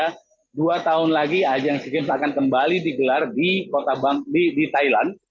karena dua tahun lagi ajang sea games akan kembali digelar di thailand